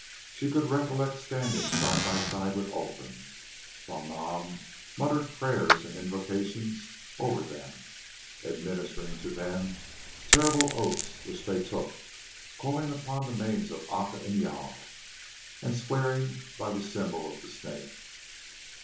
She could recollect standing side by side with Olfan, while Nam muttered prayers and invocations over them, administering to them terrible oaths, which they took, calling upon the names of Aca and of Jâl, and swearing by the symbol of the Snake.